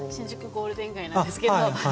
ゴールデン街なんですけど。